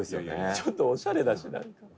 「ちょっとオシャレだしなんか」